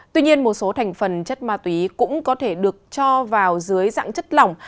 tuy nhiên một số thành phần chất ma túy cũng có thể được cho vào dưới dạng chất lỏng